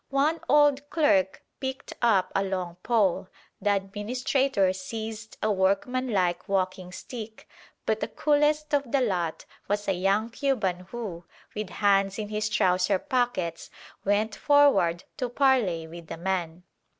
One old clerk picked up a long pole, the administrator seized a workmanlike walking stick; but the coolest of the lot was a young Cuban who, with hands in his trouser pockets, went forward to parley with the man.